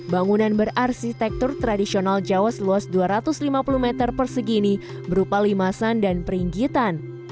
bangunan berarsitektur tradisional jawa seluas dua ratus lima puluh meter persegi ini berupa limasan dan peringgitan